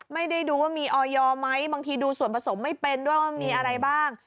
ไม่ได้ดูว่ามีออยไหมบางทีดูส่วนผสมไม่เป็นด้วยว่ามีอะไรบ้าง